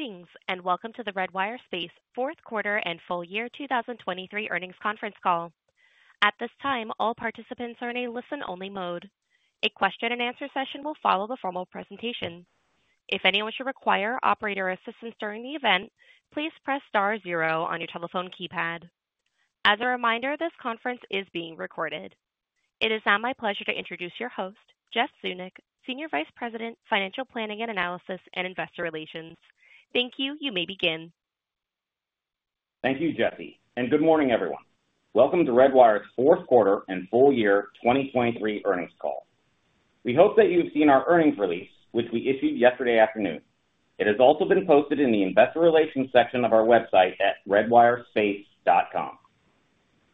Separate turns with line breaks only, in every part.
Greetings and welcome to the Redwire Space fourth quarter and full year 2023 earnings conference call. At this time, all participants are in a listen-only mode. A question-and-answer session will follow the formal presentation. If anyone should require operator assistance during the event, please press star zero on your telephone keypad. As a reminder, this conference is being recorded. It is now my pleasure to introduce your host, Jeff Zeunik, Senior Vice President, Financial Planning and Analysis and Investor Relations. Thank you. You may begin.
Thank you, Jesse, and good morning, everyone. Welcome to Redwire's fourth quarter and full year 2023 earnings call. We hope that you have seen our earnings release, which we issued yesterday afternoon. It has also been posted in the Investor Relations section of our website at redwirespace.com.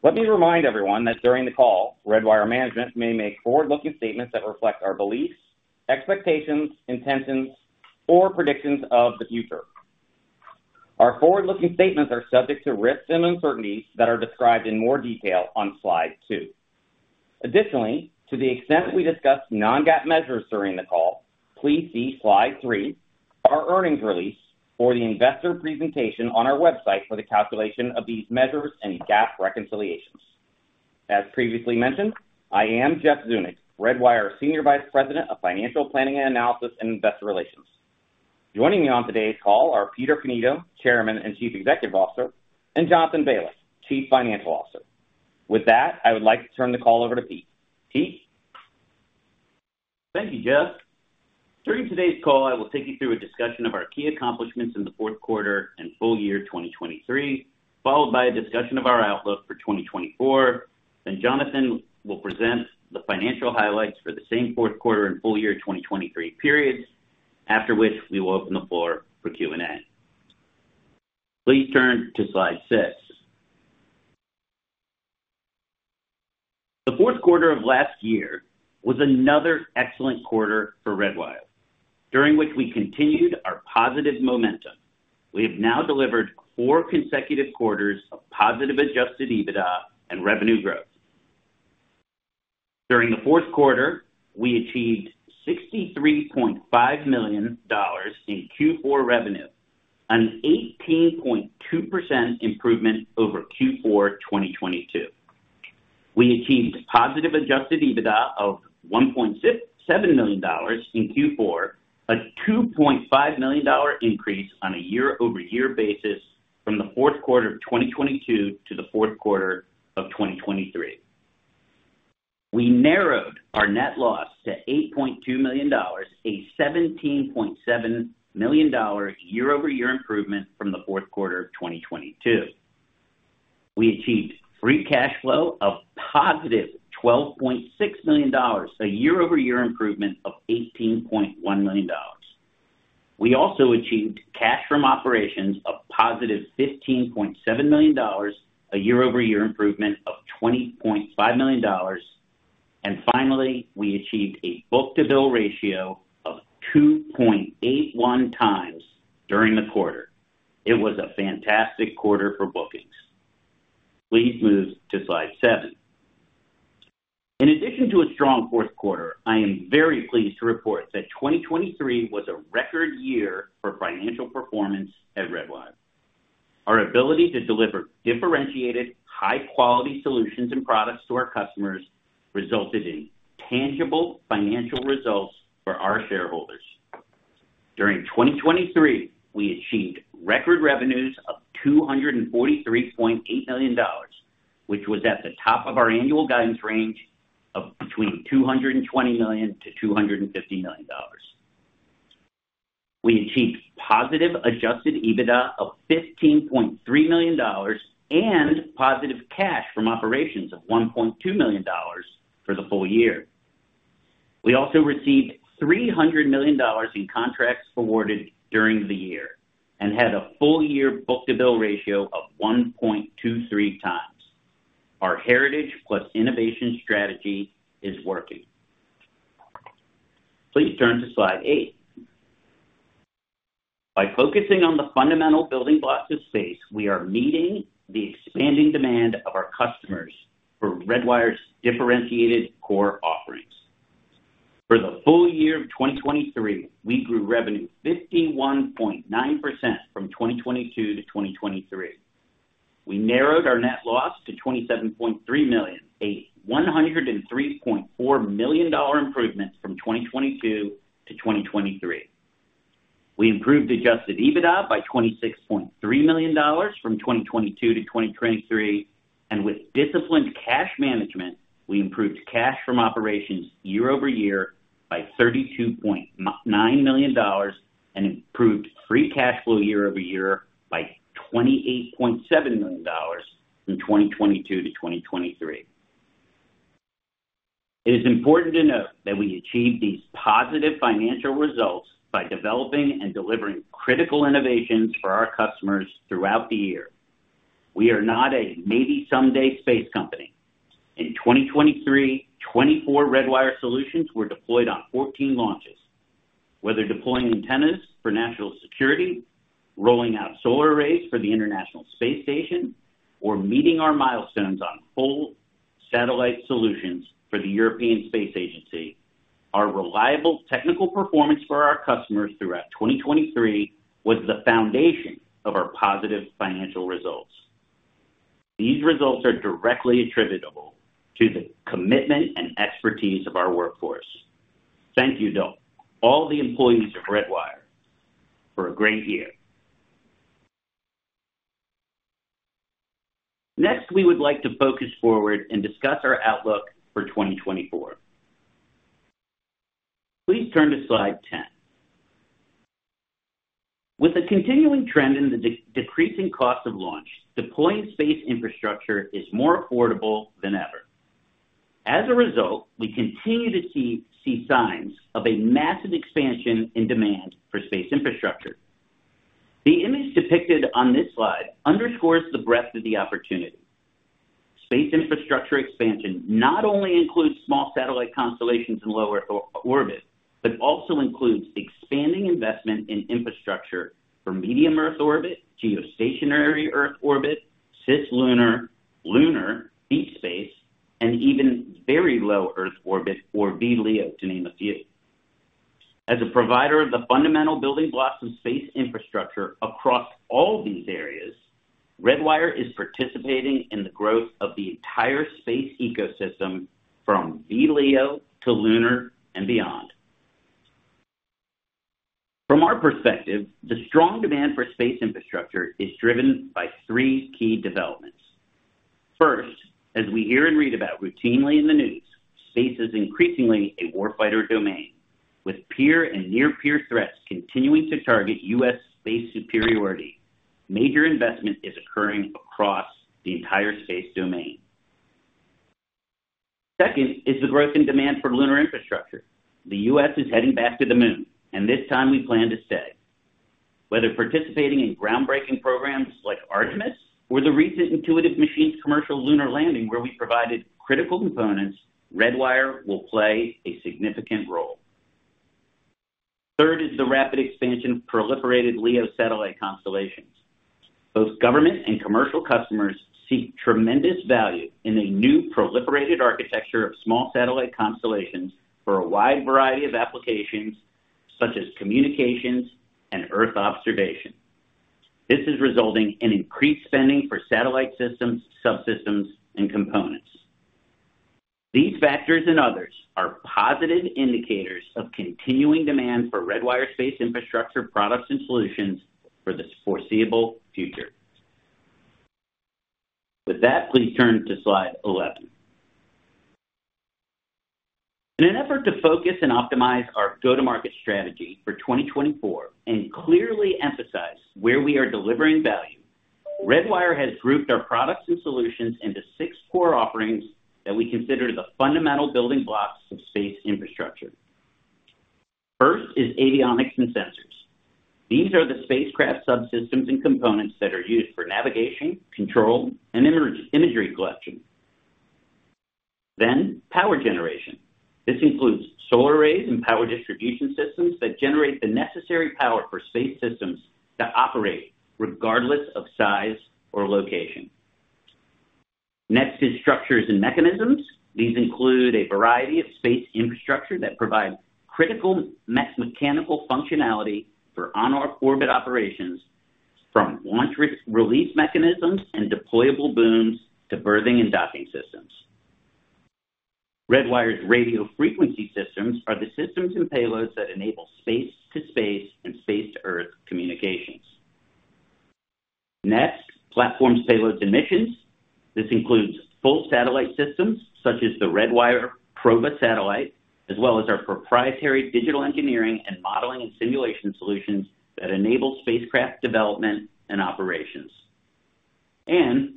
Let me remind everyone that during the call, Redwire management may make forward-looking statements that reflect our beliefs, expectations, intentions, or predictions of the future. Our forward-looking statements are subject to risks and uncertainties that are described in more detail on slide two. Additionally, to the extent we discuss non-GAAP measures during the call, please see slide three, our earnings release, or the investor presentation on our website for the calculation of these measures and GAAP reconciliations. As previously mentioned, I am Jeff Zeunik, Redwire Senior Vice President of Financial Planning and Analysis and Investor Relations. Joining me on today's call are Peter Cannito, Chairman and Chief Executive Officer, and Jonathan Baliff, Chief Financial Officer. With that, I would like to turn the call over to Pete. Pete?
Thank you, Jeff. During today's call, I will take you through a discussion of our key accomplishments in the fourth quarter and full year 2023, followed by a discussion of our outlook for 2024. Then Jonathan will present the financial highlights for the same fourth quarter and full year 2023 periods, after which we will open the floor for Q&A. Please turn to slide six. The fourth quarter of last year was another excellent quarter for Redwire, during which we continued our positive momentum. We have now delivered four consecutive quarters of positive Adjusted EBITDA and revenue growth. During the fourth quarter, we achieved $63.5 million in Q4 revenue, an 18.2% improvement over Q4 2022. We achieved positive Adjusted EBITDA of $1.7 million in Q4, a $2.5 million increase on a year-over-year basis from the fourth quarter of 2022 to the fourth quarter of 2023. We narrowed our net loss to $8.2 million, a $17.7 million year-over-year improvement from the fourth quarter of 2022. We achieved free cash flow of positive $12.6 million, a year-over-year improvement of $18.1 million. We also achieved cash from operations of positive $15.7 million, a year-over-year improvement of $20.5 million. Finally, we achieved a book-to-bill ratio of 2.81x during the quarter. It was a fantastic quarter for bookings. Please move to slide seven. In addition to a strong fourth quarter, I am very pleased to report that 2023 was a record year for financial performance at Redwire. Our ability to deliver differentiated, high-quality solutions and products to our customers resulted in tangible financial results for our shareholders. During 2023, we achieved record revenues of $243.8 million, which was at the top of our annual guidance range of between $220 million-$250 million. We achieved positive Adjusted EBITDA of $15.3 million and positive cash from operations of $1.2 million for the full year. We also received $300 million in contracts awarded during the year and had a full-year Book-to-Bill Ratio of 1.23x. Our heritage plus innovation strategy is working. Please turn to slide eight. By focusing on the fundamental building blocks of space, we are meeting the expanding demand of our customers for Redwire's differentiated core offerings. For the full year of 2023, we grew revenue 51.9% from 2022 to 2023. We narrowed our net loss to $27.3 million, a $103.4 million improvement from 2022 to 2023. We improved Adjusted EBITDA by $26.3 million from 2022 to 2023. And with disciplined cash management, we improved cash from operations year-over-year by $32.9 million and improved Free Cash Flow year-over-year by $28.7 million from 2022-2023. It is important to note that we achieved these positive financial results by developing and delivering critical innovations for our customers throughout the year. We are not a maybe-someday space company. In 2023, 24 Redwire solutions were deployed on 14 launches. Whether deploying antennas for national security, rolling out solar arrays for the International Space Station, or meeting our milestones on full satellite solutions for the European Space Agency, our reliable technical performance for our customers throughout 2023 was the foundation of our positive financial results. These results are directly attributable to the commitment and expertise of our workforce. Thank you, all the employees of Redwire, for a great year. Next, we would like to focus forward and discuss our outlook for 2024. Please turn to slide 10. With a continuing trend in the decreasing cost of launch, deploying space infrastructure is more affordable than ever. As a result, we continue to see signs of a massive expansion in demand for space infrastructure. The image depicted on this slide underscores the breadth of the opportunity. Space infrastructure expansion not only includes small satellite constellations in low Earth orbit but also includes expanding investment in infrastructure for medium Earth orbit, geostationary Earth orbit, cislunar, deep space, and even very low Earth orbit, or VLEO, to name a few. As a provider of the fundamental building blocks of space infrastructure across all these areas, Redwire is participating in the growth of the entire space ecosystem from VLEO to lunar and beyond. From our perspective, the strong demand for space infrastructure is driven by three key developments. First, as we hear and read about routinely in the news, space is increasingly a warfighter domain. With peer and near-peer threats continuing to target U.S. Space superiority, major investment is occurring across the entire space domain. Second is the growth in demand for lunar infrastructure. The U.S. is heading back to the Moon, and this time we plan to stay. Whether participating in groundbreaking programs like Artemis or the recent Intuitive Machines commercial lunar landing, where we provided critical components, Redwire will play a significant role. Third is the rapid expansion of proliferated LEO satellite constellations. Both government and commercial customers seek tremendous value in a new proliferated architecture of small satellite constellations for a wide variety of applications such as communications and Earth observation. This is resulting in increased spending for satellite systems, subsystems, and components. These factors and others are positive indicators of continuing demand for Redwire space infrastructure products and solutions for the foreseeable future. With that, please turn to slide 11. In an effort to focus and optimize our go-to-market strategy for 2024 and clearly emphasize where we are delivering value, Redwire has grouped our products and solutions into six core offerings that we consider the fundamental building blocks of space infrastructure. First is avionics and sensors. These are the spacecraft subsystems and components that are used for navigation, control, and imagery collection. Then power generation. This includes solar arrays and power distribution systems that generate the necessary power for space systems to operate regardless of size or location. Next is structures and mechanisms. These include a variety of space infrastructure that provide critical mechanical functionality for on-orbit operations, from launch release mechanisms and deployable booms to berthing and docking systems. Redwire's radio frequency systems are the systems and payloads that enable space-to-space and space-to-Earth communications. Next, platforms, payloads, and missions. This includes full satellite systems such as the Redwire PROBA satellite, as well as our proprietary digital engineering and modeling and simulation solutions that enable spacecraft development and operations. And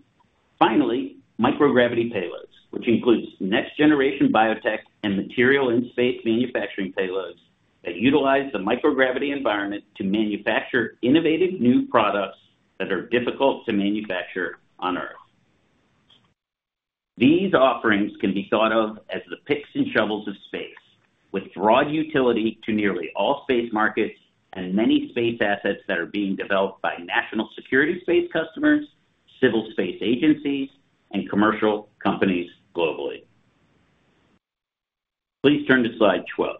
finally, microgravity payloads, which includes next-generation biotech and material in-space manufacturing payloads that utilize the microgravity environment to manufacture innovative new products that are difficult to manufacture on Earth. These offerings can be thought of as the picks and shovels of space, with broad utility to nearly all space markets and many space assets that are being developed by national security space customers, civil space agencies, and commercial companies globally. Please turn to slide 12.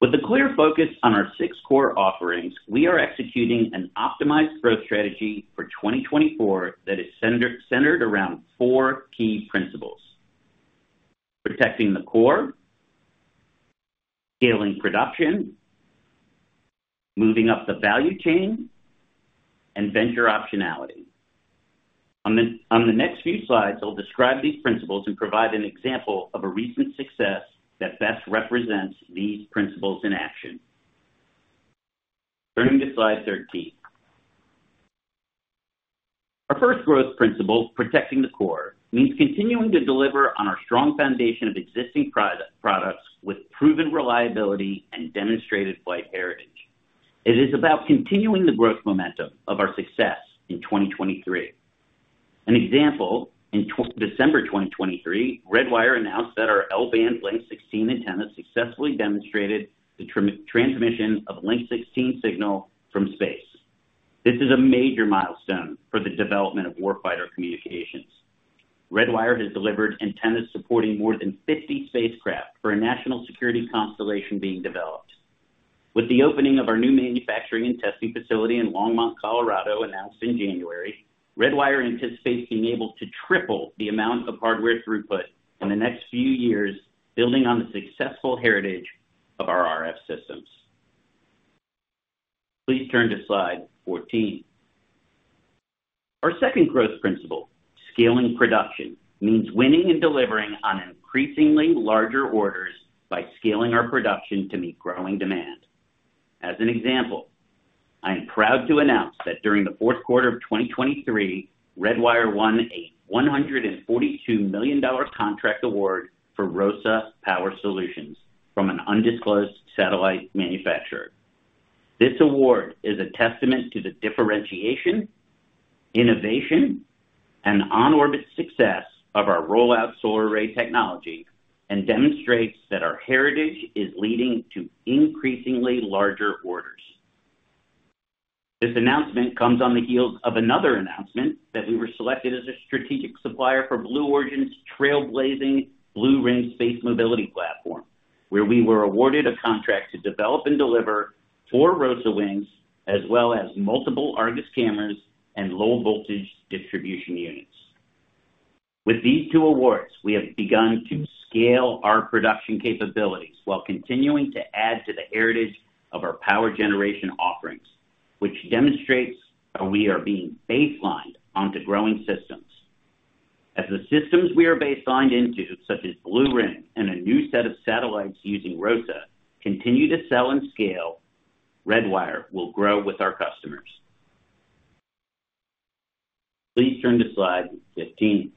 With a clear focus on our six core offerings, we are executing an optimized growth strategy for 2024 that is centered around four key principles: protecting the core, scaling production, moving up the value chain, and venture optionality. On the next few slides, I'll describe these principles and provide an example of a recent success that best represents these principles in action. Turning to slide 13. Our first growth principle, protecting the core, means continuing to deliver on our strong foundation of existing products with proven reliability and demonstrated flight heritage. It is about continuing the growth momentum of our success in 2023. An example: in December 2023, Redwire announced that our L-band Link 16 antenna successfully demonstrated the transmission of Link 16 signal from space. This is a major milestone for the development of warfighter communications. Redwire has delivered antennas supporting more than 50 spacecraft for a national security constellation being developed. With the opening of our new manufacturing and testing facility in Longmont, Colorado, announced in January, Redwire anticipates being able to triple the amount of hardware throughput in the next few years, building on the successful heritage of our RF systems. Please turn to slide 14. Our second growth principle, scaling production, means winning and delivering on increasingly larger orders by scaling our production to meet growing demand. As an example, I am proud to announce that during the fourth quarter of 2023, Redwire won a $142 million contract award for ROSA Power Solutions from an undisclosed satellite manufacturer. This award is a testament to the differentiation, innovation, and on-orbit success of our rollout solar array technology and demonstrates that our heritage is leading to increasingly larger orders. This announcement comes on the heels of another announcement that we were selected as a strategic supplier for Blue Origin's trailblazing Blue Ring space mobility platform, where we were awarded a contract to develop and deliver 4 ROSA wings as well as multiple Argus cameras and low-voltage distribution units. With these 2 awards, we have begun to scale our production capabilities while continuing to add to the heritage of our power generation offerings, which demonstrates how we are being baselined onto growing systems. As the systems we are baselined into, such as Blue Ring and a new set of satellites using ROSA, continue to sell and scale, Redwire will grow with our customers. Please turn to slide 15.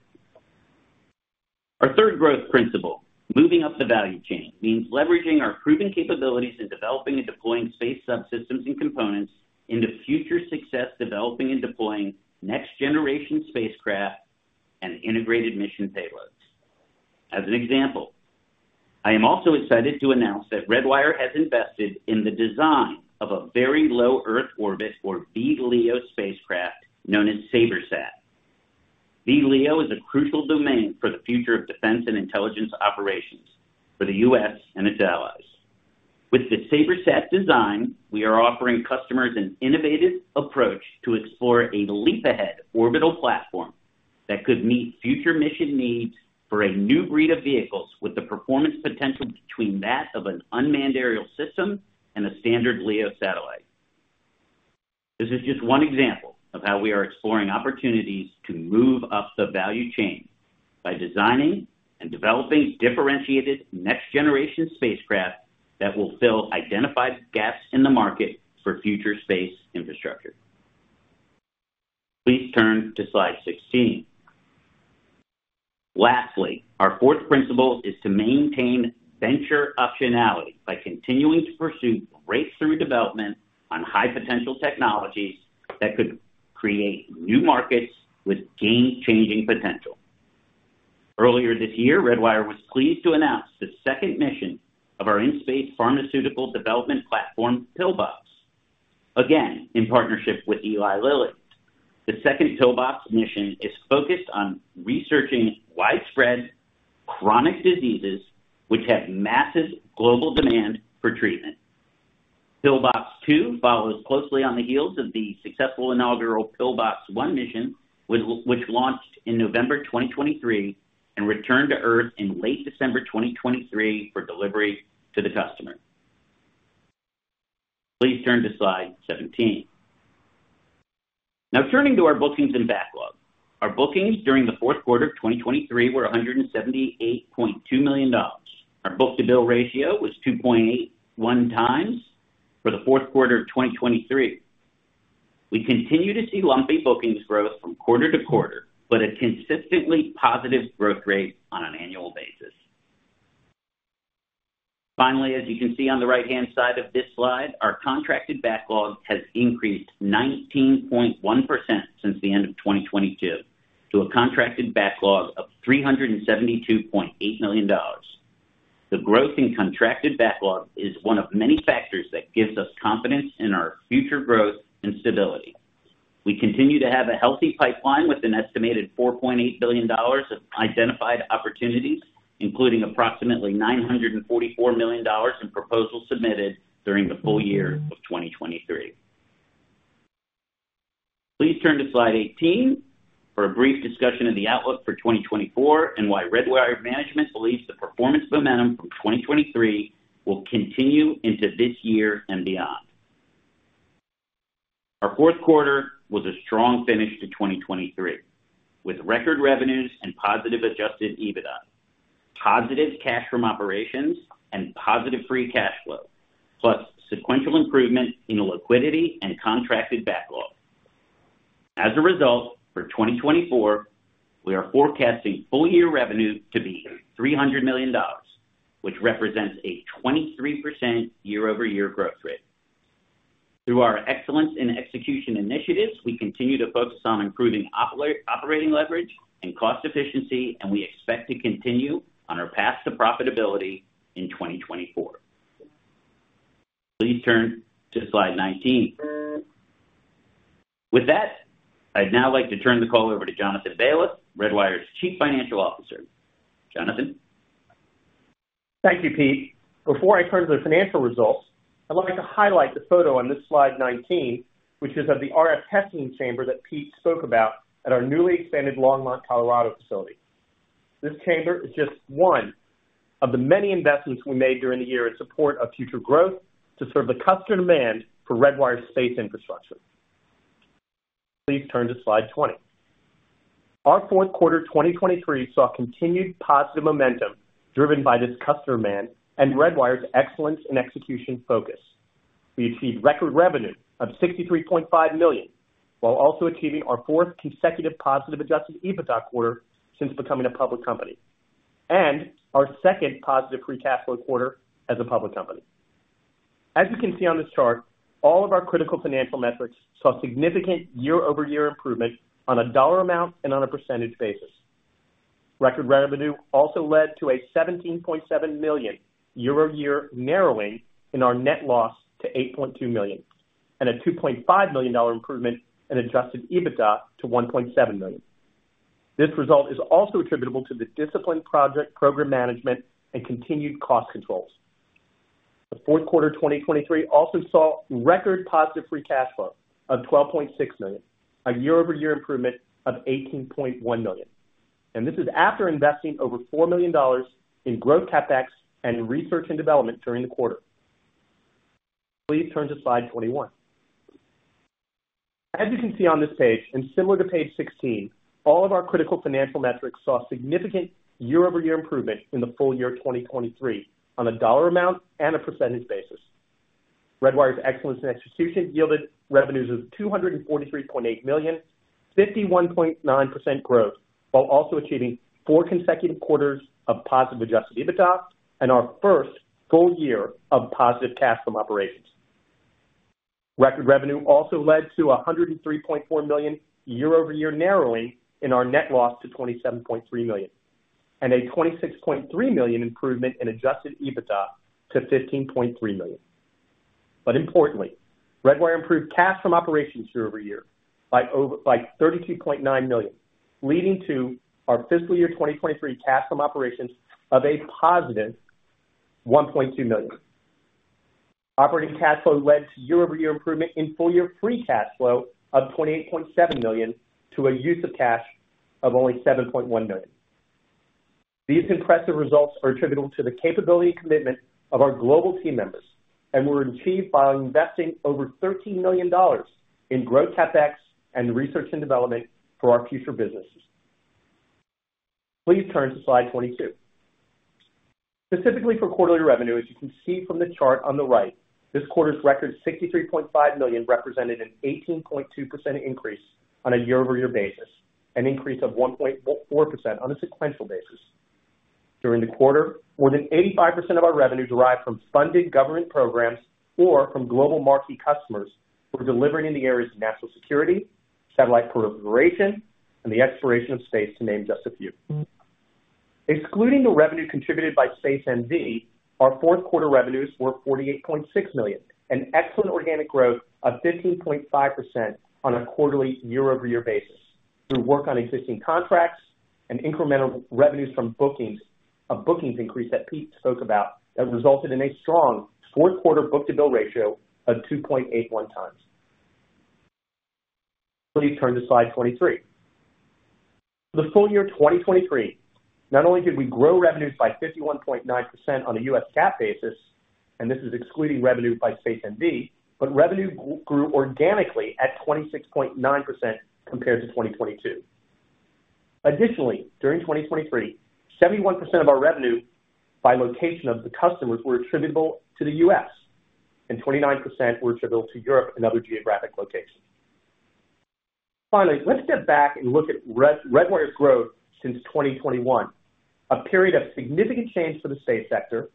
Our third growth principle, moving up the value chain, means leveraging our proven capabilities in developing and deploying space subsystems and components into future success developing and deploying next-generation spacecraft and integrated mission payloads. As an example, I am also excited to announce that Redwire has invested in the design of a very low Earth orbit, or VLEO, spacecraft known as SabreSat. VLEO is a crucial domain for the future of defense and intelligence operations for the U.S. and its allies. With the SabreSat design, we are offering customers an innovative approach to explore a leap-ahead orbital platform that could meet future mission needs for a new breed of vehicles with the performance potential between that of an unmanned aerial system and a standard LEO satellite. This is just one example of how we are exploring opportunities to move up the value chain by designing and developing differentiated next-generation spacecraft that will fill identified gaps in the market for future space infrastructure. Please turn to slide 16. Lastly, our fourth principle is to maintain venture optionality by continuing to pursue breakthrough development on high-potential technologies that could create new markets with game-changing potential. Earlier this year, Redwire was pleased to announce the second mission of our in-space pharmaceutical development platform, Pillbox, again in partnership with Eli Lilly. The second Pillbox mission is focused on researching widespread chronic diseases, which have massive global demand for treatment. Pillbox two follows closely on the heels of the successful inaugural Pillbox 1 mission, which launched in November 2023 and returned to Earth in late December 2023 for delivery to the customer. Please turn to slide 17. Now, turning to our bookings and backlog. Our bookings during the fourth quarter of 2023 were $178.2 million. Our Book-to-Bill Ratio was 2.81x for the fourth quarter of 2023. We continue to see lumpy bookings growth from quarter to quarter, but a consistently positive growth rate on an annual basis. Finally, as you can see on the right-hand side of this slide, our contracted backlog has increased 19.1% since the end of 2022 to a contracted backlog of $372.8 million. The growth in contracted backlog is one of many factors that gives us confidence in our future growth and stability. We continue to have a healthy pipeline with an estimated $4.8 billion of identified opportunities, including approximately $944 million in proposals submitted during the full year of 2023. Please turn to slide 18 for a brief discussion of the outlook for 2024 and why Redwire management believes the performance momentum from 2023 will continue into this year and beyond. Our fourth quarter was a strong finish to 2023 with record revenues and positive Adjusted EBITDA, positive cash from operations, and positive free cash flow, plus sequential improvement in liquidity and contracted backlog. As a result, for 2024, we are forecasting full-year revenue to be $300 million, which represents a 23% year-over-year growth rate. Through our excellence in execution initiatives, we continue to focus on improving operating leverage and cost efficiency, and we expect to continue on our path to profitability in 2024. Please turn to slide 19. With that, I'd now like to turn the call over to Jonathan Baliff, Redwire's Chief Financial Officer. Jonathan.
Thank you, Pete. Before I turn to the financial results, I'd like to highlight the photo on this slide 19, which is of the RF testing chamber that Pete spoke about at our newly expanded Longmont, Colorado facility. This chamber is just one of the many investments we made during the year in support of future growth to serve the customer demand for Redwire space infrastructure. Please turn to slide 20. Our fourth quarter 2023 saw continued positive momentum driven by this customer demand and Redwire's excellence in execution focus. We achieved record revenue of $63.5 million while also achieving our fourth consecutive positive Adjusted EBITDA quarter since becoming a public company and our second positive Free Cash Flow quarter as a public company. As you can see on this chart, all of our critical financial metrics saw significant year-over-year improvement on a dollar amount and on a percentage basis. Record revenue also led to a 17.7 million year-over-year narrowing in our net loss to $8.2 million and a $2.5 million improvement in adjusted EBITDA to $1.7 million. This result is also attributable to the disciplined project program management and continued cost controls. The fourth quarter 2023 also saw record positive free cash flow of $12.6 million, a year-over-year improvement of $18.1 million. This is after investing over $4 million in growth CapEx and research and development during the quarter. Please turn to slide 21. As you can see on this page, and similar to page 16, all of our critical financial metrics saw significant year-over-year improvement in the full year 2023 on a dollar amount and a percentage basis. Redwire's excellence in execution yielded revenues of $243.8 million, 51.9% growth, while also achieving four consecutive quarters of positive Adjusted EBITDA and our first full year of positive cash from operations. Record revenue also led to a $103.4 million year-over-year narrowing in our net loss to $27.3 million and a $26.3 million improvement in Adjusted EBITDA to $15.3 million. But importantly, Redwire improved cash from operations year-over-year by $32.9 million, leading to our fiscal year 2023 cash from operations of a positive $1.2 million. Operating cash flow led to year-over-year improvement in full-year free cash flow of $28.7 million to a use of cash of only $7.1 million. These impressive results are attributable to the capability and commitment of our global team members and were achieved by investing over $13 million in growth CapEx and research and development for our future businesses. Please turn to slide 22. Specifically for quarterly revenue, as you can see from the chart on the right, this quarter's record $63.5 million represented an 18.2% increase on a year-over-year basis, an increase of 1.4% on a sequential basis. During the quarter, more than 85% of our revenue derived from funded government programs or from global marquee customers were delivered in the areas of national security, satellite proliferation, and the exploration of space, to name just a few. Excluding the revenue contributed by Space NV, our fourth quarter revenues were $48.6 million, an excellent organic growth of 15.5% on a quarterly year-over-year basis through work on existing contracts and incremental revenues from bookings of bookings increase that Pete spoke about that resulted in a strong fourth quarter book-to-bill ratio of 2.81x. Please turn to slide 23. For the full year 2023, not only did we grow revenues by 51.9% on a U.S. GAAP basis, and this is excluding revenue by Redwire Space NV, but revenue grew organically at 26.9% compared to 2022. Additionally, during 2023, 71% of our revenue by location of the customers were attributable to the U.S., and 29% were attributable to Europe and other geographic locations. Finally, let's step back and look at Redwire's growth since 2021, a period of significant change for the space sector,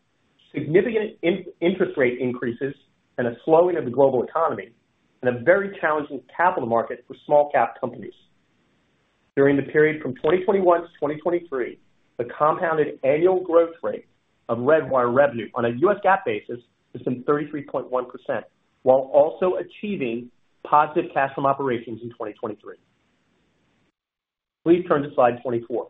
significant interest rate increases, and a slowing of the global economy, and a very challenging capital market for small-cap companies. During the period from 2021 to 2023, the compounded annual growth rate of Redwire revenue on a U.S. GAAP basis was some 33.1% while also achieving positive cash from operations in 2023. Please turn to slide 24.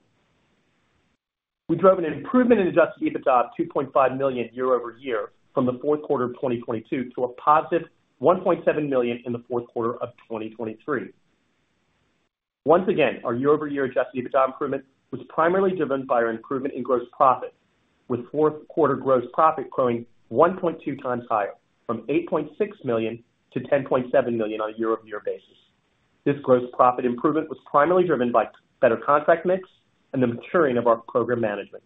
We drove an improvement in adjusted EBITDA of $2.5 million year-over-year from the fourth quarter of 2022 to a positive $1.7 million in the fourth quarter of 2023. Once again, our year-over-year Adjusted EBITDA improvement was primarily driven by our improvement in gross profit, with fourth quarter gross profit growing 1.2x higher from $8.6 million to $10.7 million on a year-over-year basis. This gross profit improvement was primarily driven by better contract mix and the maturing of our program management.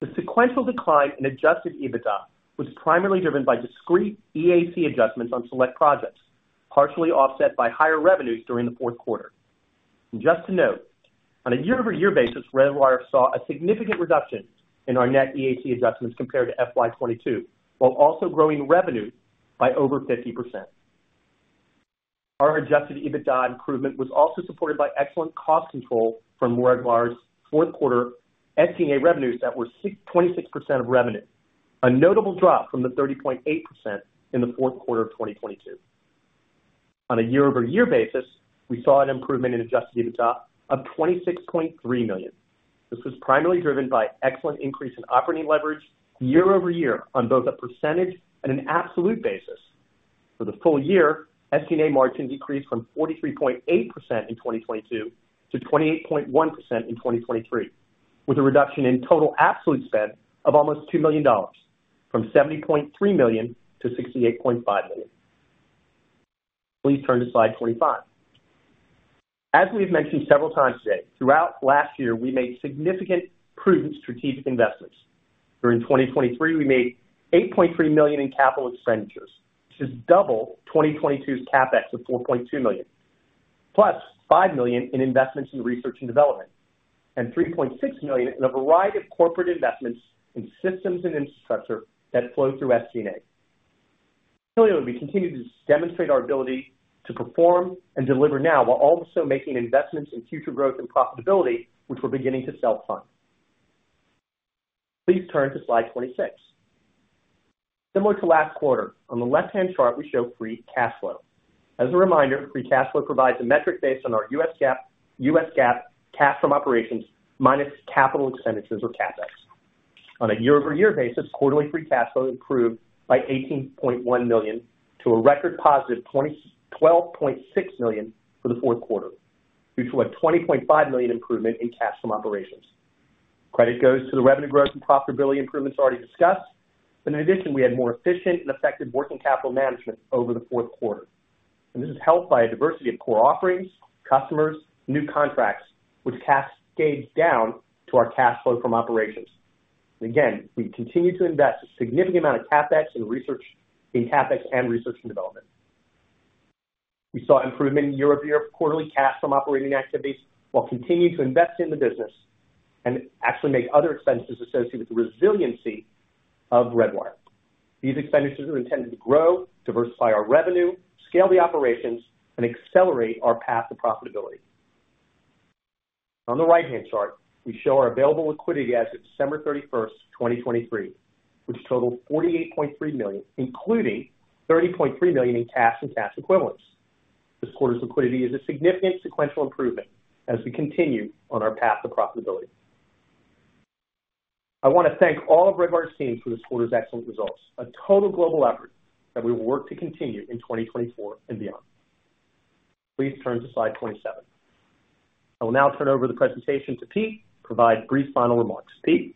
The sequential decline in Adjusted EBITDA was primarily driven by discrete EAC adjustments on select projects, partially offset by higher revenues during the fourth quarter. Just to note, on a year-over-year basis, Redwire saw a significant reduction in our net EAC adjustments compared to FY 2022 while also growing revenue by over 50%. Our Adjusted EBITDA improvement was also supported by excellent cost control from Redwire's fourth quarter SG&A revenues that were 26% of revenue, a notable drop from the 30.8% in the fourth quarter of 2022. On a year-over-year basis, we saw an improvement in Adjusted EBITDA of $26.3 million. This was primarily driven by excellent increase in operating leverage year-over-year on both a percentage and an absolute basis. For the full year, SD&A margins decreased from 43.8% in 2022 to 28.1% in 2023, with a reduction in total absolute spend of almost $2 million, from $70.3 million to $68.5 million. Please turn to slide 25. As we have mentioned several times today, throughout last year, we made significant prudent strategic investments. During 2023, we made $8.3 million in capital expenditures, which is double 2022's CapEx of $4.2 million, plus $5 million in investments in research and development, and $3.6 million in a variety of corporate investments in systems and infrastructure that flow through SD&A. Million would be continued to demonstrate our ability to perform and deliver now while also making investments in future growth and profitability, which we're beginning to self-fund. Please turn to slide 26. Similar to last quarter, on the left-hand chart, we show free cash flow. As a reminder, free cash flow provides a metric based on our U.S. GAAP cash from operations, minus capital expenditures or CapEx. On a year-over-year basis, quarterly free cash flow improved by $18.1 million to a record positive $12.6 million for the fourth quarter, due to a $20.5 million improvement in cash from operations. Credit goes to the revenue growth and profitability improvements already discussed, but in addition, we had more efficient and effective working capital management over the fourth quarter. This is helped by a diversity of core offerings, customers, new contracts, which cascades down to our cash flow from operations. And again, we continue to invest a significant amount of CapEx in research in CapEx and research and development. We saw improvement year-over-year of quarterly cash from operating activities while continuing to invest in the business and actually make other expenditures associated with the resiliency of Redwire. These expenditures are intended to grow, diversify our revenue, scale the operations, and accelerate our path to profitability. On the right-hand chart, we show our available liquidity as of December 31st, 2023, which totaled $48.3 million, including $30.3 million in cash and cash equivalents. This quarter's liquidity is a significant sequential improvement as we continue on our path to profitability. I want to thank all of Redwire's teams for this quarter's excellent results, a total global effort that we will work to continue in 2024 and beyond. Please turn to slide 27. I will now turn over the presentation to Pete to provide brief final remarks. Pete.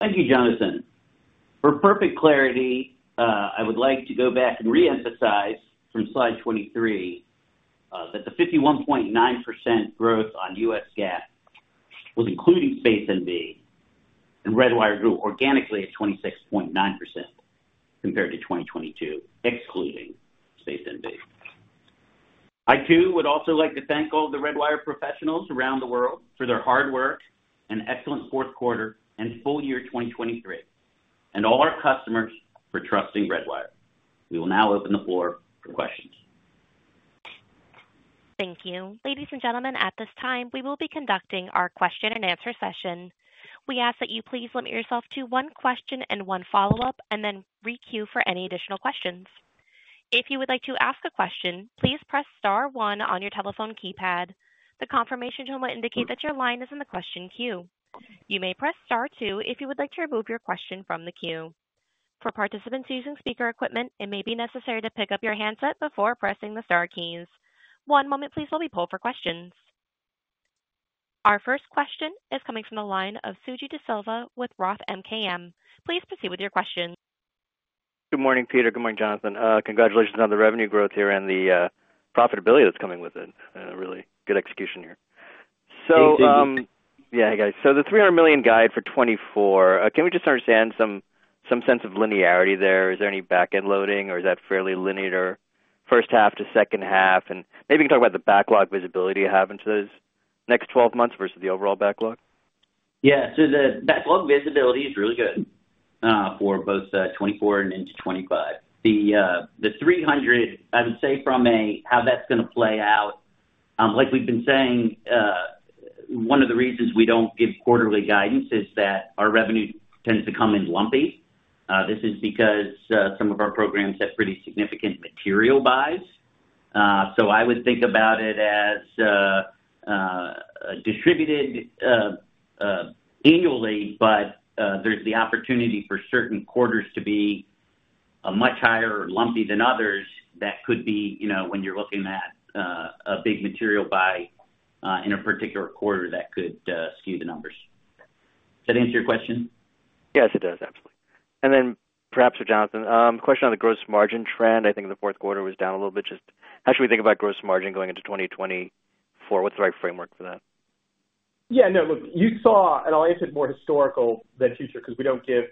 Thank you, Jonathan. For perfect clarity, I would like to go back and re-emphasize from slide 23 that the 51.9% growth on U.S. GAAP was including Space NV, and Redwire grew organically at 26.9% compared to 2022, excluding Space NV. I, too, would also like to thank all of the Redwire professionals around the world for their hard work and excellent fourth quarter and full year 2023, and all our customers for trusting Redwire. We will now open the floor for questions.
Thank you. Ladies and gentlemen, at this time, we will be conducting our question-and-answer session. We ask that you please limit yourself to one question and one follow-up, and then re-queue for any additional questions. If you would like to ask a question, please press star one on your telephone keypad. The confirmation tone will indicate that your line is in the question queue. You may press star two if you would like to remove your question from the queue. For participants using speaker equipment, it may be necessary to pick up your handset before pressing the star keys. One moment, please, while we pull for questions. Our first question is coming from the line of Suji Desilva with Roth MKM. Please proceed with your question.
Good morning, Peter. Good morning, Jonathan. Congratulations on the revenue growth here and the profitability that's coming with it. Really good execution here. So. Thank you. Yeah, hey guys. So the $300 million guide for 2024, can we just understand some sense of linearity there? Is there any backend loading, or is that fairly linear first half to second half? Maybe you can talk about the backlog visibility you have into those next 12 months versus the overall backlog.
Yeah. So the backlog visibility is really good for both 2024 and into 2025. The $300, I would say from a how that's going to play out, like we've been saying, one of the reasons we don't give quarterly guidance is that our revenue tends to come in lumpy. This is because some of our programs have pretty significant material buys. So I would think about it as distributed annually, but there's the opportunity for certain quarters to be much higher or lumpy than others that could be when you're looking at a big material buy in a particular quarter that could skew the numbers. Does that answer your question?
Yes, it does, absolutely. And then perhaps for Jonathan, a question on the gross margin trend.
I think the fourth quarter was down a little bit. Just how should we think about gross margin going into 2024? What's the right framework for that?
Yeah. No, look, you saw, and I'll answer it more historical than future because we don't give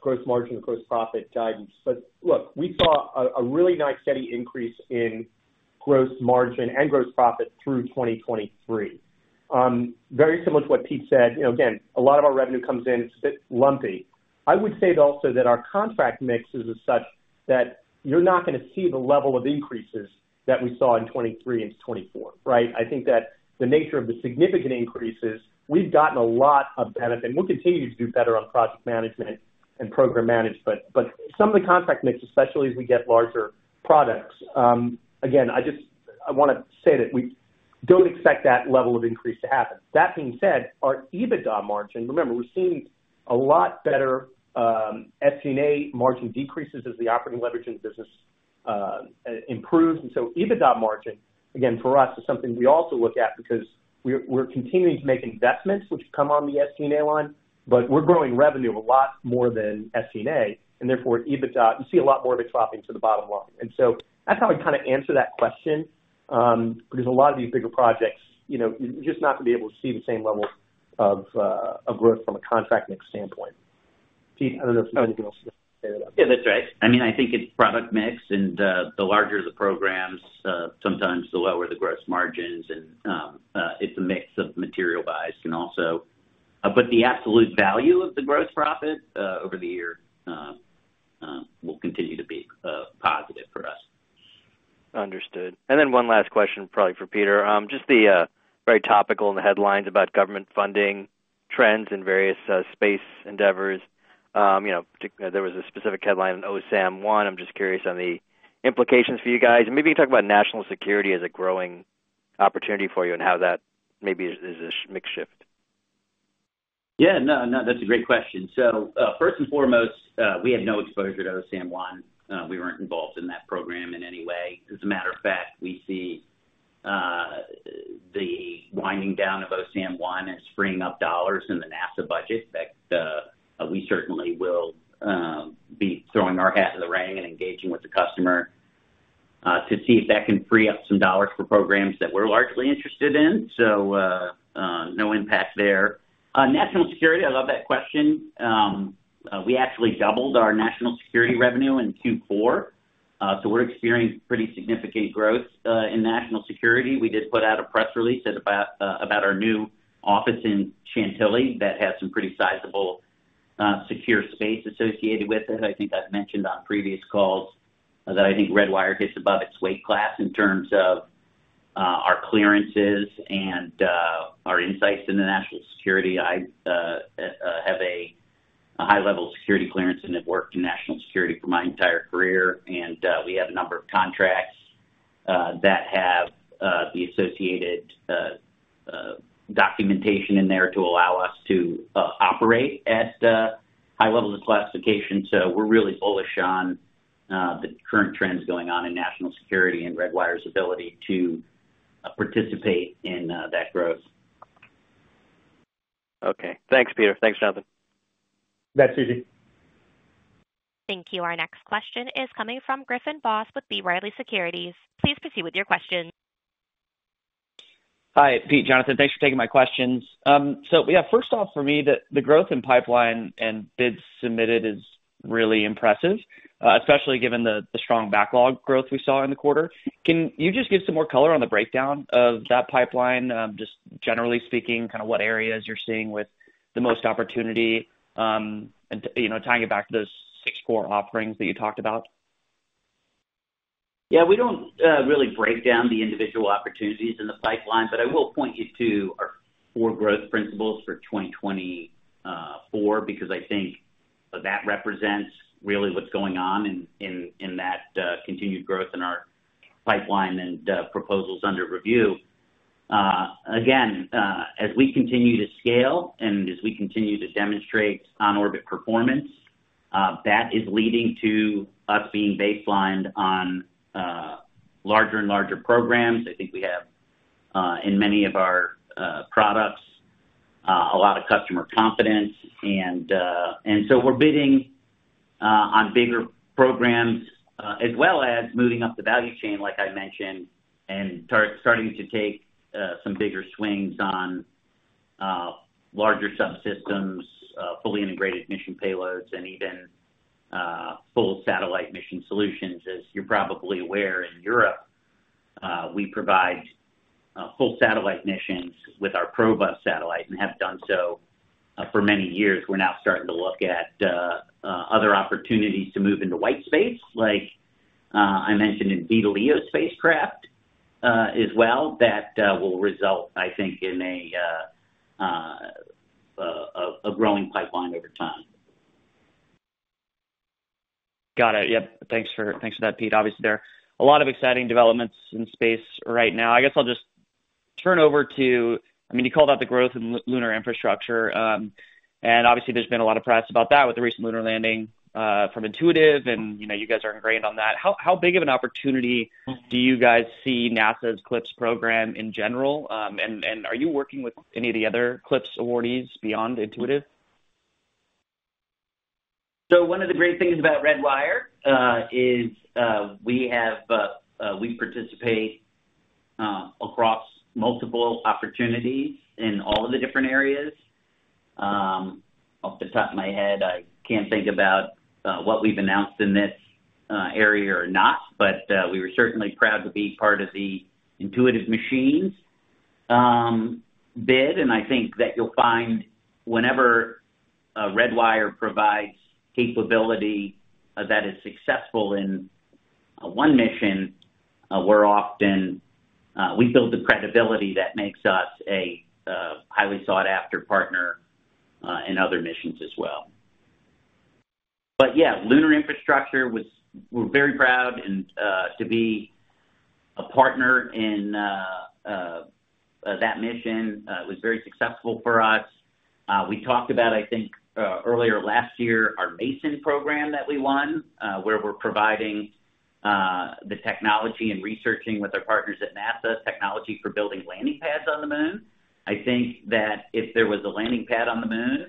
gross margin or gross profit guidance. But look, we saw a really nice steady increase in gross margin and gross profit through 2023, very similar to what Pete said. Again, a lot of our revenue comes in a bit lumpy. I would say also that our contract mix is as such that you're not going to see the level of increases that we saw in 2023 into 2024, right? I think that the nature of the significant increases, we've gotten a lot of benefit, and we'll continue to do better on project management and program management. But some of the contract mix, especially as we get larger products, again, I want to say that we don't expect that level of increase to happen. That being said, our EBITDA margin, remember, we're seeing a lot better SD&A margin decreases as the operating leverage in the business improves. And so EBITDA margin, again, for us, is something we also look at because we're continuing to make investments which come on the SD&A line, but we're growing revenue a lot more than SD&A, and therefore EBITDA, you see a lot more of it dropping to the bottom line. And so that's how I'd kind of answer that question because a lot of these bigger projects, you're just not going to be able to see the same level of growth from a contract mix standpoint. Pete, I don't know if there's anything else you'd like to say to that.
Yeah, that's right. I mean, I think it's product mix, and the larger the programs, sometimes the lower the gross margins, and it's a mix of material buys can also but the absolute value of the gross profit over the year will continue to be positive for us. Understood. And then one last question, probably for Peter, just the very topical and the headlines about government funding trends in various space endeavors. There was a specific headline in OSAM-1. I'm just curious on the implications for you guys. And maybe you can talk about national security as a growing opportunity for you and how that maybe is a mix shift. Yeah. No, no, that's a great question. So first and foremost, we had no exposure to OSAM-1. We weren't involved in that program in any way. As a matter of fact, we see the winding down of OSAM-1 and springing up dollars in the NASA budget that we certainly will be throwing our hat in the ring and engaging with the customer to see if that can free up some dollars for programs that we're largely interested in. So no impact there. National security, I love that question. We actually doubled our national security revenue in Q4. So we're experiencing pretty significant growth in national security. We did put out a press release about our new office in Chantilly that has some pretty sizable secure space associated with it. I think I've mentioned on previous calls that I think Redwire hits above its weight class in terms of our clearances and our insights into national security. I have a high-level security clearance and have worked in national security for my entire career. And we have a number of contracts that have the associated documentation in there to allow us to operate at high levels of classification. So we're really bullish on the current trends going on in national security and Redwire's ability to participate in that growth.
Okay. Thanks, Peter. Thanks, Jonathan.
Thanks, Suji.
Thank you. Our next question is coming from Griffin Boss with B. Riley Securities. Please proceed with your question.
Hi, Pete. Jonathan, thanks for taking my questions. So yeah, first off, for me, the growth in pipeline and bids submitted is really impressive, especially given the strong backlog growth we saw in the quarter. Can you just give some more color on the breakdown of that pipeline, just generally speaking, kind of what areas you're seeing with the most opportunity, tying it back to those six core offerings that you talked about?
Yeah. We don't really break down the individual opportunities in the pipeline, but I will point you to our four growth principles for 2024 because I think that represents really what's going on in that continued growth in our pipeline and proposals under review. Again, as we continue to scale and as we continue to demonstrate on-orbit performance, that is leading to us being baselined on larger and larger programs. I think we have, in many of our products, a lot of customer confidence. And so we're bidding on bigger programs as well as moving up the value chain, like I mentioned, and starting to take some bigger swings on larger subsystems, fully integrated mission payloads, and even full satellite mission solutions. As you're probably aware, in Europe, we provide full satellite missions with our PROBA satellite and have done so for many years. We're now starting to look at other opportunities to move into white space, like I mentioned in VLEO spacecraft as well, that will result, I think, in a growing pipeline over time.
Got it. Yep. Thanks for that, Pete. Obviously, there are a lot of exciting developments in space right now. I guess I'll just turn over to, I mean, you called out the growth in lunar infrastructure. Obviously, there's been a lot of press about that with the recent lunar landing from Intuitive, and you guys are ingrained on that. How big of an opportunity do you guys see NASA's CLPS program in general? And are you working with any of the other CLPS awardees beyond Intuitive?
So one of the great things about Redwire is we participate across multiple opportunities in all of the different areas.
Off the top of my head, I can't think about what we've announced in this area or not, but we were certainly proud to be part of the Intuitive Machines bid. And I think that you'll find whenever Redwire provides capability that is successful in one mission, we're often build the credibility that makes us a highly sought-after partner in other missions as well. But yeah, lunar infrastructure, we're very proud. And to be a partner in that mission was very successful for us. We talked about, I think, earlier last year, our MASON program that we won, where we're providing the technology and researching with our partners at NASA, technology for building landing pads on the Moon. I think that if there was a landing pad on the Moon,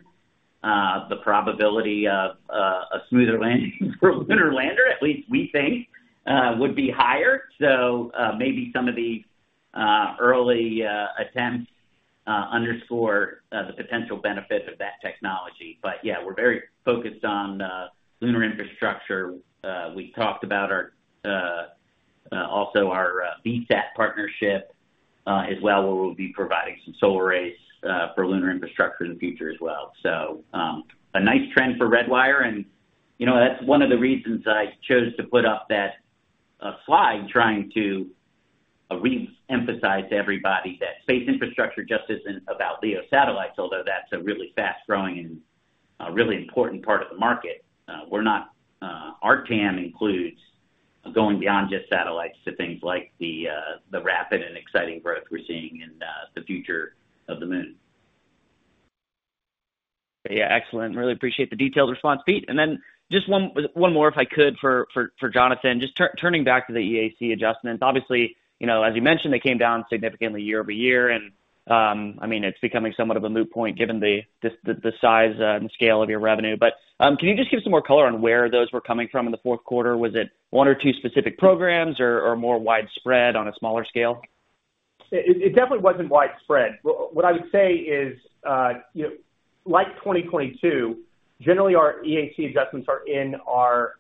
the probability of a smoother landing for a lunar lander, at least we think, would be higher. Maybe some of these early attempts underscore the potential benefit of that technology. But yeah, we're very focused on lunar infrastructure. We talked about also our VSAT partnership as well, where we'll be providing some solar arrays for lunar infrastructure in the future as well. So a nice trend for Redwire. And that's one of the reasons I chose to put up that slide, trying to re-emphasize to everybody that space infrastructure just isn't about LEO satellites, although that's a really fast-growing and really important part of the market. Our TAM includes going beyond just satellites to things like the rapid and exciting growth we're seeing in the future of the Moon.
Yeah. Excellent. Really appreciate the detailed response, Pete. And then just one more, if I could, for Jonathan, just turning back to the EAC adjustments. Obviously, as you mentioned, they came down significantly year-over-year. And I mean, it's becoming somewhat of a moot point given the size and scale of your revenue. But can you just give some more color on where those were coming from in the fourth quarter? Was it one or two specific programs or more widespread on a smaller scale?
It definitely wasn't widespread. What I would say is, like 2022, generally, our EAC adjustments are in our,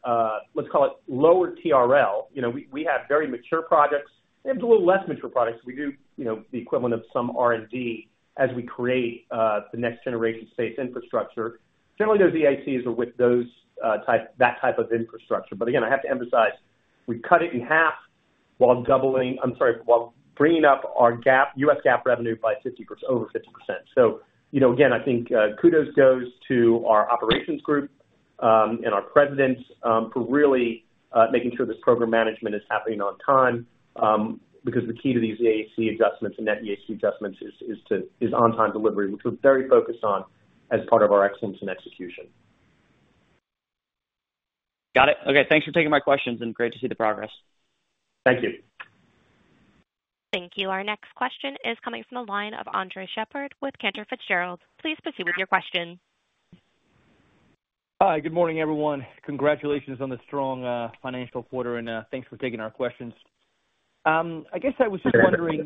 let's call it, lower TRL. We have very mature projects. We have a little less mature projects. We do the equivalent of some R&D as we create the next generation space infrastructure. Generally, those EACs are with that type of infrastructure. But again, I have to emphasize, we cut it in half while doubling I'm sorry, while bringing up our US GAAP revenue by over 50%. So again, I think kudos goes to our operations group and our presidents for really making sure this program management is happening on time because the key to these EAC adjustments and net EAC adjustments is on-time delivery, which we're very focused on as part of our excellence in execution.
Got it. Okay. Thanks for taking my questions, and great to see the progress.
Thank you.
Thank you. Our next question is coming from the line of Andres Sheppard with Cantor Fitzgerald. Please proceed with your question.
Hi. Good morning, everyone. Congratulations on the strong financial quarter, and thanks for taking our questions. I guess I was just wondering,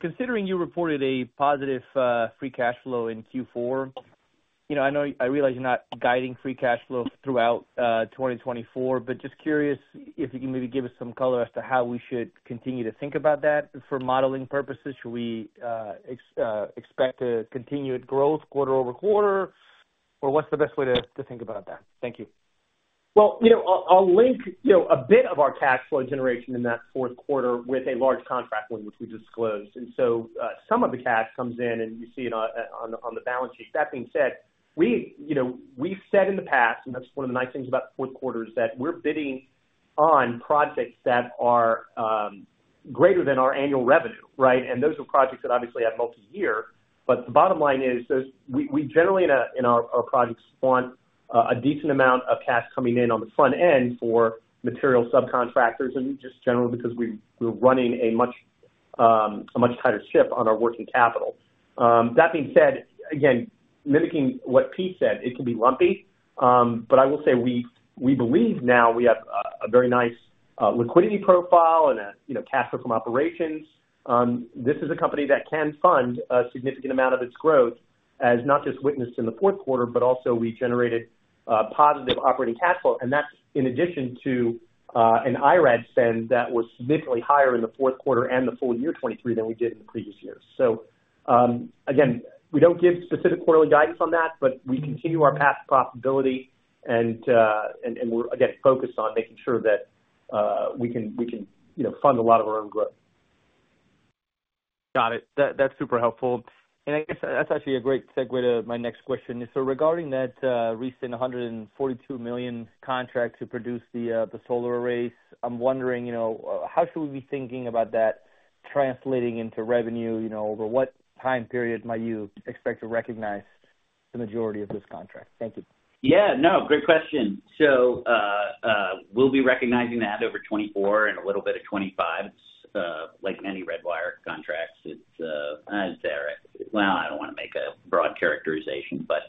considering you reported a positive free cash flow in Q4, I realize you're not guiding free cash flow throughout 2024, but just curious if you can maybe give us some color as to how we should continue to think about that for modeling purposes. Should we expect to continue its growth quarter over quarter, or what's the best way to think about that? Thank you.
Well, I'll link a bit of our cash flow generation in that fourth quarter with a large contract win, which we disclosed. And so some of the cash comes in, and you see it on the balance sheet. That being said, we've said in the past, and that's one of the nice things about fourth quarters, that we're bidding on projects that are greater than our annual revenue, right? And those are projects that obviously have multi-year. But the bottom line is, we generally, in our projects, want a decent amount of cash coming in on the front end for material subcontractors and just generally because we're running a much tighter ship on our working capital. That being said, again, mimicking what Pete said, it can be lumpy. But I will say we believe now we have a very nice liquidity profile and a cash flow from operations. This is a company that can fund a significant amount of its growth, as not just witnessed in the fourth quarter, but also we generated positive operating cash flow. And that's in addition to an IRAD spend that was significantly higher in the fourth quarter and the full year 2023 than we did in the previous years. So again, we don't give specific quarterly guidance on that, but we continue our past profitability, and we're, again, focused on making sure that we can fund a lot of our own growth. Got it.
That's super helpful. And I guess that's actually a great segue to my next question. So regarding that recent $142 million contract to produce the solar arrays, I'm wondering, how should we be thinking about that translating into revenue? Over what time period might you expect to recognize the majority of this contract? Thank you.
Yeah. No, great question. So we'll be recognizing that over 2024 and a little bit of 2025. It's like many Redwire contracts. It's well, I don't want to make a broad characterization, but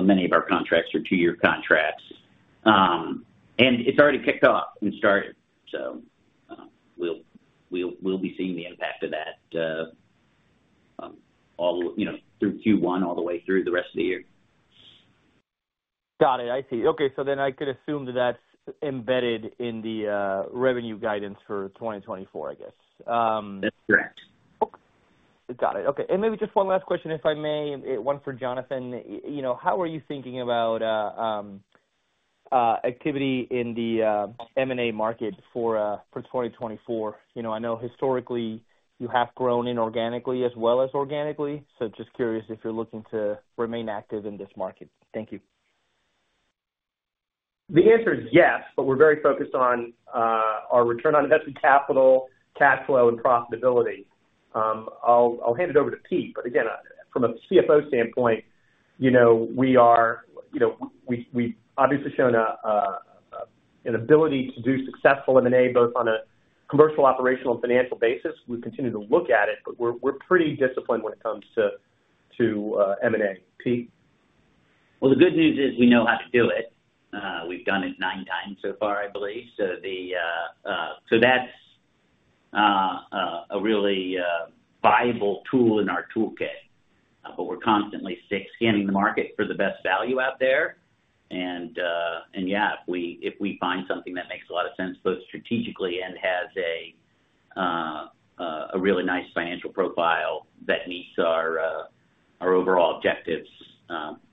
many of our contracts are two-year contracts. It's already kicked off and started, so we'll be seeing the impact of that through Q1, all the way through the rest of the year.
Got it. I see. Okay. So then I could assume that that's embedded in the revenue guidance for 2024, I guess.
That's correct.
Got it. Okay. And maybe just one last question, if I may, one for Jonathan. How are you thinking about activity in the M&A market for 2024? I know historically, you have grown inorganically as well as organically. So just curious if you're looking to remain active in this market. Thank you.
The answer is yes, but we're very focused on our return on invested capital, cash flow, and profitability. I'll hand it over to Pete. But again, from a CFO standpoint, we've obviously shown an ability to do successful M&A both on a commercial, operational, and financial basis. We continue to look at it, but we're pretty disciplined when it comes to M&A. Pete?
Well, the good news is we know how to do it. We've done it 9x so far, I believe. So that's a really viable tool in our toolkit. But we're constantly scanning the market for the best value out there. And yeah, if we find something that makes a lot of sense both strategically and has a really nice financial profile that meets our overall objectives,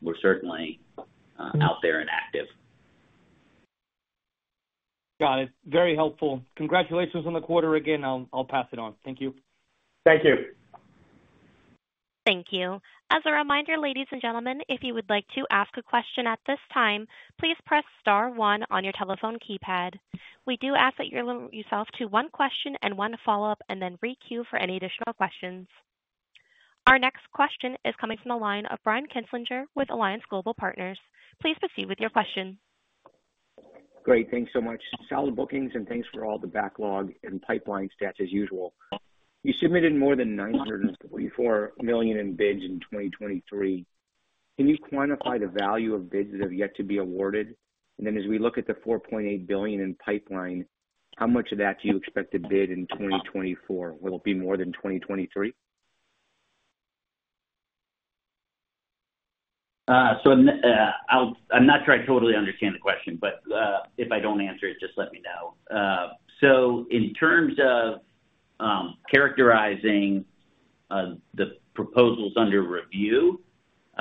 we're certainly out there and active.
Got it. Very helpful. Congratulations on the quarter again. I'll pass it on. Thank you.
Thank you.
Thank you. As a reminder, ladies and gentlemen, if you would like to ask a question at this time, please press star one on your telephone keypad. We do ask yourself to one question and one follow-up and then re-queue for any additional questions. Our next question is coming from the line of Brian Kinstlinger with Alliance Global Partners. Please proceed with your question.
Great. Thanks so much. Solid bookings, and thanks for all the backlog and pipeline stats as usual. You submitted more than $944 million in bids in 2023. Can you quantify the value of bids that have yet to be awarded? And then as we look at the $4.8 billion in pipeline, how much of that do you expect to bid in 2024? Will it be more than 2023?
So I'm not sure I totally understand the question, but if I don't answer it, just let me know. So in terms of characterizing the proposals under review,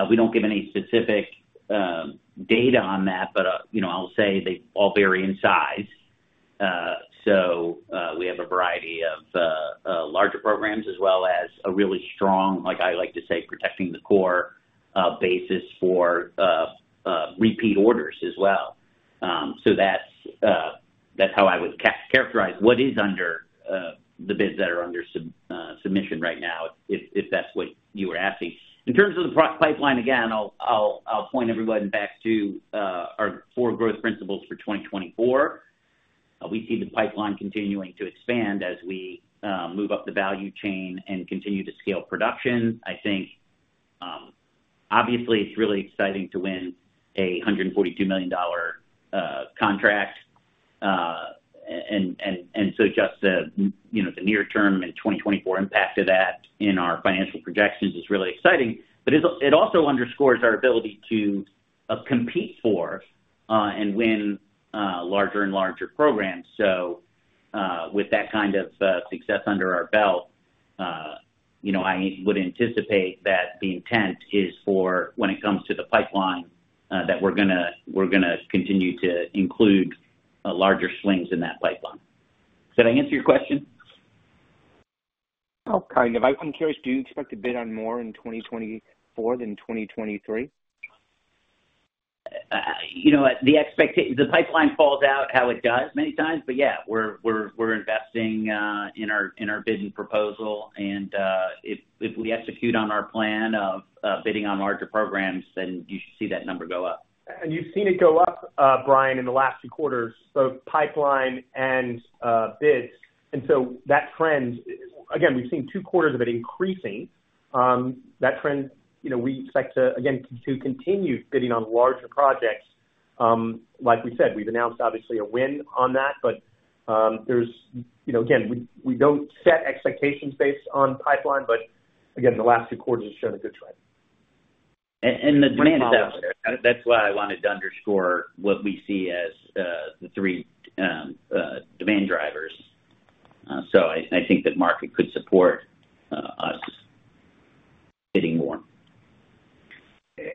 we don't give any specific data on that, but I'll say they all vary in size. So we have a variety of larger programs as well as a really strong, like I like to say, protecting the core basis for repeat orders as well. So that's how I would characterize what is under the bids that are under submission right now, if that's what you were asking. In terms of the pipeline, again, I'll point everyone back to our 4 growth principles for 2024. We see the pipeline continuing to expand as we move up the value chain and continue to scale production. Obviously, it's really exciting to win a $142 million contract. And so just the near-term and 2024 impact of that in our financial projections is really exciting. But it also underscores our ability to compete for and win larger and larger programs. So with that kind of success under our belt, I would anticipate that the intent is for, when it comes to the pipeline, that we're going to continue to include larger swings in that pipeline. Did I answer your question?
Oh, kind of. I'm curious, do you expect to bid on more in 2024 than 2023?
The pipeline falls out how it does many times, but yeah, we're investing in our bid and proposal. And if we execute on our plan of bidding on larger programs, then you should see that number go up.
And you've seen it go up, Brian, in the last two quarters, both pipeline and bids. And so that trend, again, we've seen two quarters of it increasing. That trend, we expect to, again, continue bidding on larger projects. Like we said, we've announced, obviously, a win on that. But again, we don't set expectations based on pipeline, but again, the last two quarters have shown a good trend.
And the demand is up. That's why I wanted to underscore what we see as the three demand drivers. So I think that market could support us bidding more.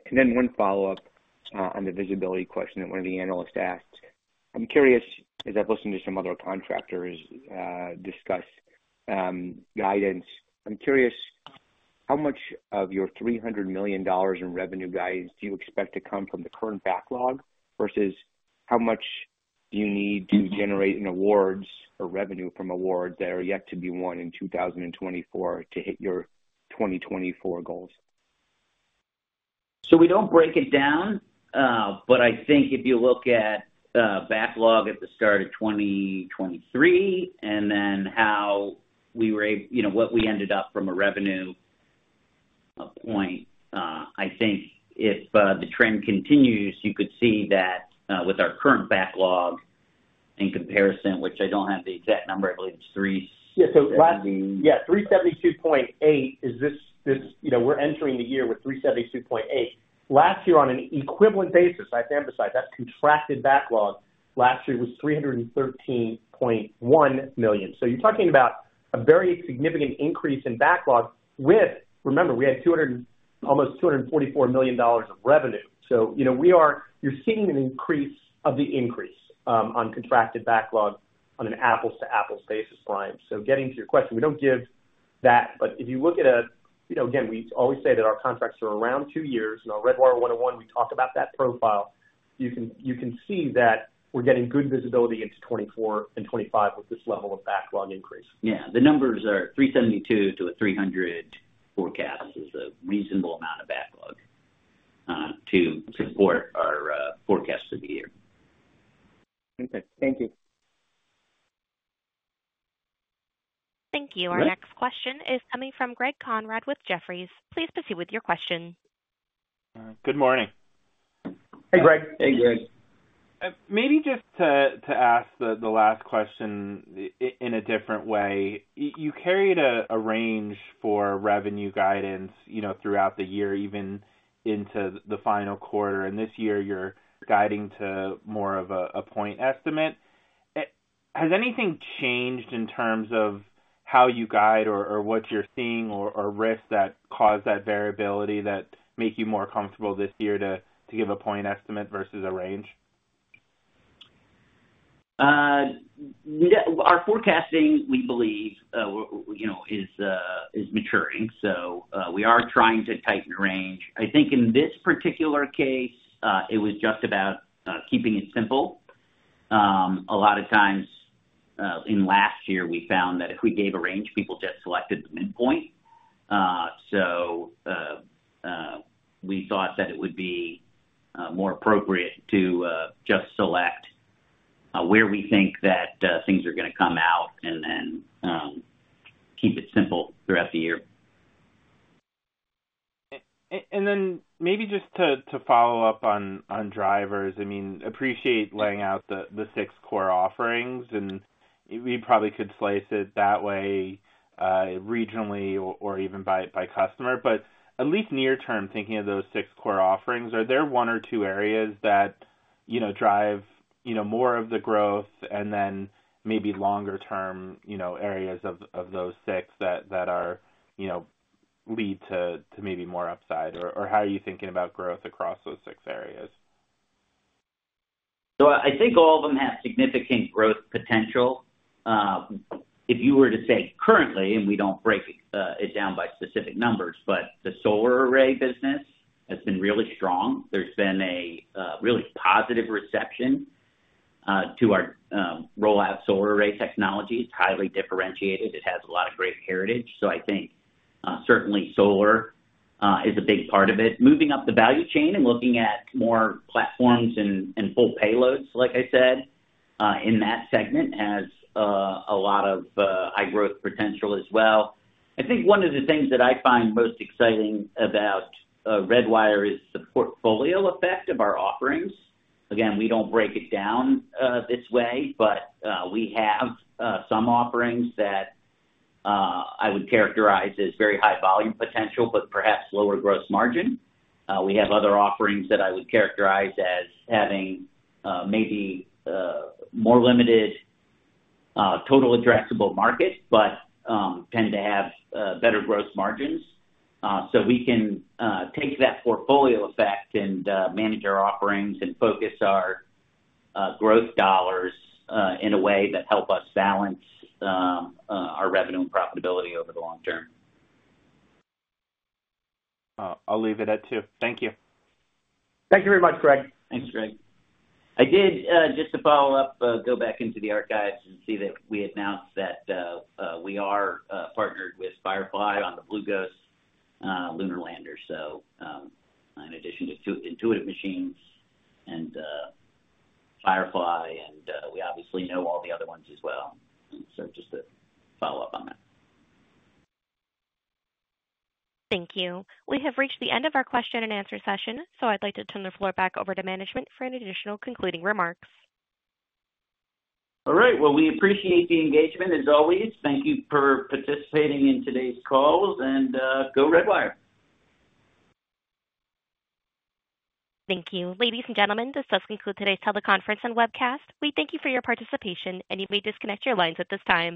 And then one follow-up on the visibility question that one of the analysts asked. I'm curious, as I've listened to some other contractors discuss guidance, I'm curious, how much of your $300 million in revenue guidance do you expect to come from the current backlog versus how much do you need to generate in awards or revenue from awards that are yet to be won in 2024 to hit your 2024 goals?
So we don't break it down, but I think if you look at backlog at the start of 2023 and then how we were able what we ended up from a revenue point, I think if the trend continues, you could see that with our current backlog in comparison, which I don't have the exact number, I believe it's 370.
Yeah. So yeah, 372.8 is this we're entering the year with 372.8. Last year, on an equivalent basis, I have to emphasize, that contracted backlog last year was $313.1 million. So you're talking about a very significant increase in backlog with remember, we had almost $244 million of revenue. So you're seeing an increase of the increase on contracted backlog on an apples-to-apples basis, Brian. So getting to your question, we don't give that. If you look at it again, we always say that our contracts are around two years. And on Redwire 101, we talk about that profile. You can see that we're getting good visibility into 2024 and 2025 with this level of backlog increase. Yeah. The numbers are $372 to a $300 forecast is a reasonable amount of backlog to support our forecast for the year.
Okay. Thank you.
Thank you. Our next question is coming from Greg Konrad with Jefferies. Please proceed with your question. Good morning.
Hey, Greg.
Hey, Greg.
Maybe just to ask the last question in a different way. You carried a range for revenue guidance throughout the year, even into the final quarter. And this year, you're guiding to more of a point estimate. Has anything changed in terms of how you guide or what you're seeing or risks that cause that variability that make you more comfortable this year to give a point estimate versus a range?
Our forecasting, we believe, is maturing. So we are trying to tighten the range. I think in this particular case, it was just about keeping it simple. A lot of times in last year, we found that if we gave a range, people just selected the midpoint. So we thought that it would be more appropriate to just select where we think that things are going to come out and then keep it simple throughout the year.
And then maybe just to follow up on drivers, I mean, appreciate laying out the six core offerings. And we probably could slice it that way regionally or even by customer. But at least near-term, thinking of those six core offerings, are there one or two areas that drive more of the growth and then maybe longer-term areas of those six that lead to maybe more upside? Or how are you thinking about growth across those six areas?
I think all of them have significant growth potential. If you were to say currently, and we don't break it down by specific numbers, but the solar array business has been really strong. There's been a really positive reception to our roll-out solar array technology. It's highly differentiated. It has a lot of great heritage. So I think certainly, solar is a big part of it. Moving up the value chain and looking at more platforms and full payloads, like I said, in that segment has a lot of high growth potential as well. I think one of the things that I find most exciting about Redwire is the portfolio effect of our offerings. Again, we don't break it down this way, but we have some offerings that I would characterize as very high volume potential but perhaps lower gross margin. We have other offerings that I would characterize as having maybe more limited total addressable market but tend to have better gross margins. So we can take that portfolio effect and manage our offerings and focus our growth dollars in a way that helps us balance our revenue and profitability over the long term.
I'll leave it at two. Thank you.
Thank you very much, Greg.
Thanks, Greg.
I did, just to follow up, go back into the archives and see that we announced that we are partnered with Firefly on the Blue Ghost lunar lander, so in addition to Intuitive Machines and Firefly. We obviously know all the other ones as well. Just to follow up on that.
Thank you. We have reached the end of our question-and-answer session, so I'd like to turn the floor back over to management for any additional concluding remarks.
All right. Well, we appreciate the engagement as always. Thank you for participating in today's call, and go, Redwire.
Thank you. Ladies and gentlemen, this does conclude today's teleconference and webcast. We thank you for your participation, and you may disconnect your lines at this time.